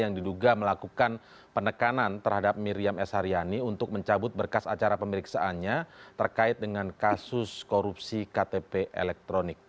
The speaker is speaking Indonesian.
yang diduga melakukan penekanan terhadap miriam s haryani untuk mencabut berkas acara pemeriksaannya terkait dengan kasus korupsi ktp elektronik